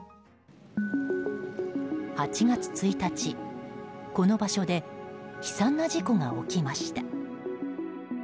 ８月１日、この場所で悲惨な事故が起きました。